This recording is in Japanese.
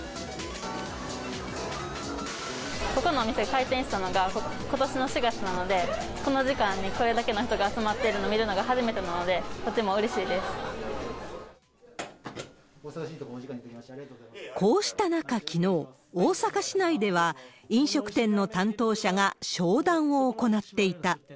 ここのお店、開店したのがことしの４月なので、この時間にこれだけの人が集まっているのを見るのが初めてなので、こうした中、きのう、大阪市内では、飲食店の担当者が商談を行っていた。